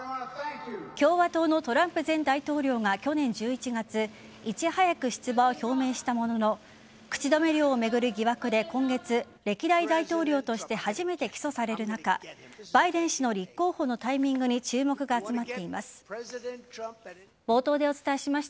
共和党のトランプ前大統領が去年１１月いち早く出馬を表明したものの口止め料を巡る疑惑で今月、歴代大統領として初めて起訴される中フランス政府が強行採択した年金改革法案を巡り